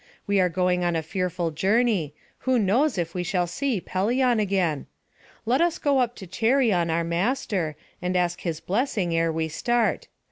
We are going on a fearful journey: who knows if we shall see Pelion again? Let us go up to Cheiron our master, and ask his blessing ere we start.